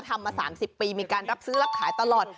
ทำมา๓๐ปีมีการรับซื้อรับขายตลอด